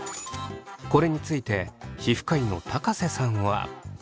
これについて皮膚科医の瀬さんは。